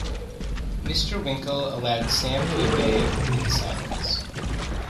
Mr. Winkle allowed Sam to obey it, in silence.